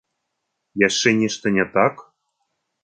Яшчэ нешта не так?